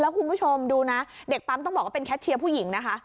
คุณผู้ชมดูนะเด็กปั๊มต้องบอกว่าเป็นแคทเชียร์ผู้หญิงนะคะ